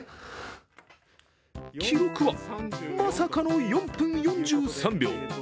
記録は、まさかの４分４３秒。